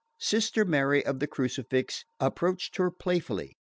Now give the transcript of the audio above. Sister Mary of the Crucifix approached her playfully.